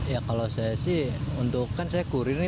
ya kalau saya sih untuk kan saya kurir